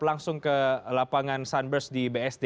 langsung ke lapangan sunburst di bsd